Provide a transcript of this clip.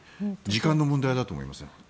時間の問題だと思います。